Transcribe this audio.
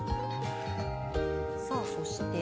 さあそして。